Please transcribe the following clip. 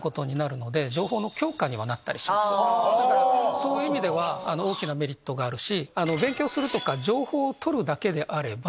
そういう意味では大きなメリットがあるし勉強するとか。